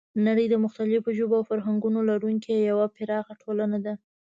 نړۍ د مختلفو ژبو او فرهنګونو لرونکی یوه پراخه ټولنه ده.